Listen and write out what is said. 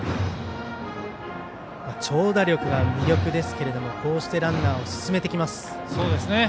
長打力が魅力ですがこうしてランナーを進めてきます。